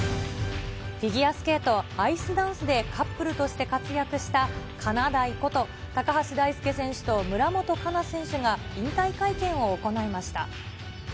フィギュアスケート、アイスダンスでカップルとして活躍した、かなだいこと、高橋大輔選手と村元哉中選手が引退会見を行いました。